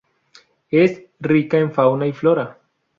Es rica en fauna y flora.